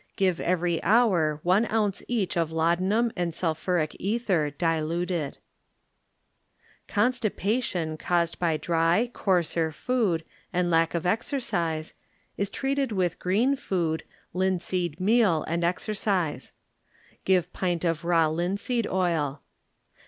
Give every hour one ounce each of laudanum and sulphuric ether, diluted Constipation caused by dry, coarser food and lack of exercise, is treated with green food, linseed meal and exercise; give pint of raw linseed oil.